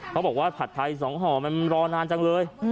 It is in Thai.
เขาบอกว่าผัดไทย๒ห่อมันรอนานจังเลย